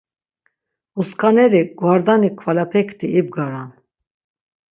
Uskaneli gvardani kvalepekti ibgaran.